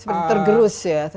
seperti tergerus ya